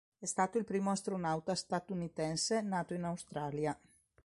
È stato il primo astronauta statunitense nato in Australia.